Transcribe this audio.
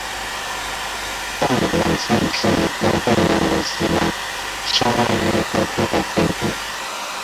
淡武廊县是一块被马来西亚砂拉越割开的飞地。